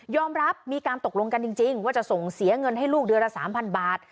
ยอมรับมีการตกลงกันจริงจริงว่าจะส่งเสียเงินให้ลูกเดือนละสามพันบาท